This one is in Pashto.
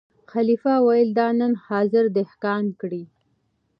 خلیفه ویل دا نن حاضر دهقان کړی